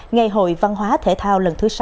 ngày hội văn hóa thế thao lần thứ sáu